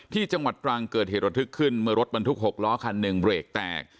จังหวัดตรังเกิดเหตุระทึกขึ้นเมื่อรถบรรทุก๖ล้อคันหนึ่งเบรกแตก